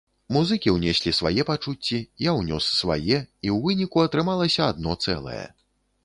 Музыкі ўнеслі свае пачуцці, я ўнёс свае і ў выніку атрымалася адно цэлае.